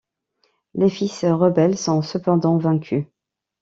Les fils rebelles sont cependant vaincus.